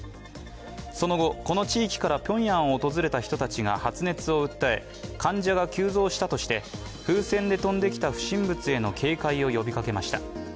その後、この地域からピョンヤンを訪れた人たちが発熱を訴え患者が急増したとして風船で飛んできた不審物への警戒を呼びかけました。